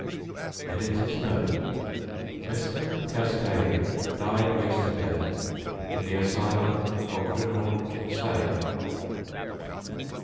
[EDITOR'S NOTE. Mr. Castaigne died yesterday in the Asylum for Criminal Insane.